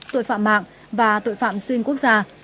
tội phạm mạng và tội phạm xuyên quốc gia